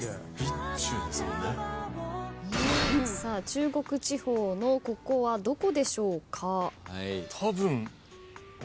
中国地方のここはどこでしょうか？